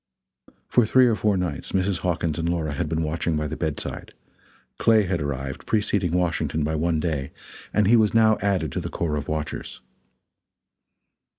For three or four nights Mrs. Hawkins and Laura had been watching by the bedside; Clay had arrived, preceding Washington by one day, and he was now added to the corps of watchers.